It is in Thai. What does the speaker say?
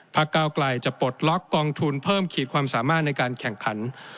ก้าวไกลจะปลดล็อกกองทุนเพิ่มขีดความสามารถในการแข่งขัน